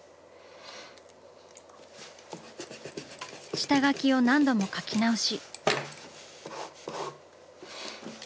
下描きを何度も描き直し。